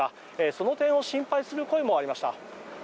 その点を心配する声もありました。